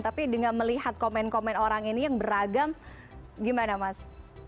tapi dengan melihat komen komen orang ini yang beragam gimana mas